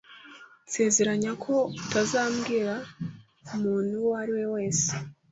Nsezeranya ko utazabwira umuntu uwo ari we wese.